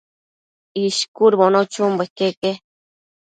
ishcudbono chunbo iqueque